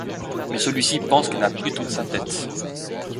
Mais celui-ci pense qu’elle n’a plus toute sa tête.